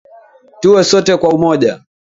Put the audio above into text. Tuwe sote kwa umoja